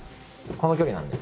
この距離なんで。